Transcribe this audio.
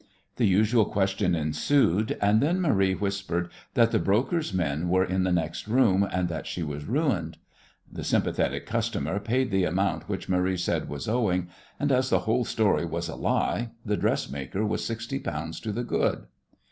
The usual question ensued, and then Marie whispered that the broker's men were in the next room, and that she was ruined. The sympathetic customer paid the amount which Marie said was owing, and as the whole story was a lie the "dressmaker" was sixty pounds to the good.